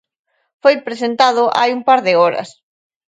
Foi presentado hai un par de horas.